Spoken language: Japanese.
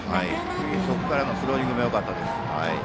そこからのスローイングもよかったです。